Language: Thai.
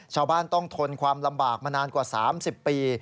ชาวบ้านต้องทนความลำบากมานานกว่า๓๐ปี